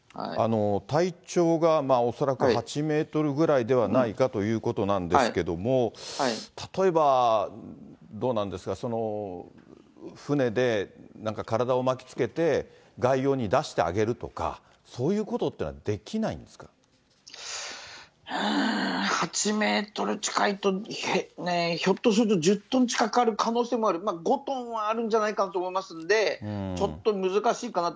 体長が恐らく８メートルぐらいではないかということなんですけども、例えば、どうなんですか、船でなんか体を巻きつけて、外洋に出してあげるとか、そういうこうーん、８メートル近いと、ひょっとすると１０トン近くある可能性もある、５トンはあるんじゃないかと思いますんで、ちょっと難しいかなと。